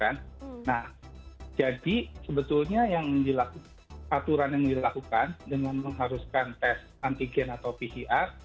nah jadi sebetulnya yang dilakukan aturan yang dilakukan dengan mengharuskan tes antigen atau pcr